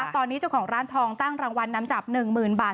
ตอนนี้เจ้าของร้านทองตั้งรางวัลนำจับ๑๐๐๐บาท